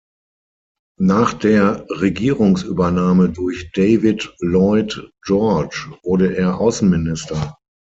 Nach der Regierungsübernahme durch David Lloyd George wurde er Außenminister.